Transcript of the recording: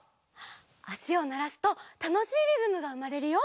あしをならすとたのしいリズムがうまれるよ。